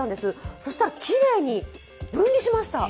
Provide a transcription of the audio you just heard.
そしたら、きれいに分離しました。